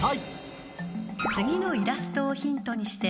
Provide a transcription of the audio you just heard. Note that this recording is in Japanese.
［次のイラストをヒントにして］